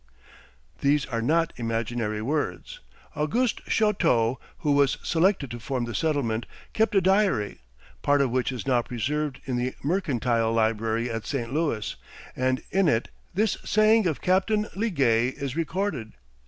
These are not imaginary words. Auguste Chouteau, who was selected to form the settlement, kept a diary, part of which is now preserved in the Mercantile Library at St. Louis, and in it this saying of Captain Liguest is recorded.